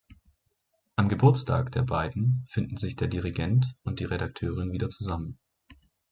Am Geburtstag der beiden finden sich der Dirigent und die Redakteurin wieder zusammen.